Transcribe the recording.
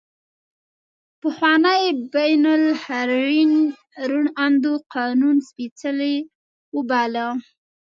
پخواني بین النهرین روڼ اندو قانون سپیڅلی وباله.